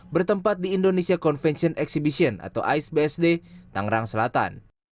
bertempat di indonesia convention exhibition atau icebsd tangerang selatan